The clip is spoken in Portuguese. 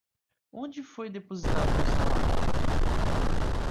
Onde foi depositado meu salário?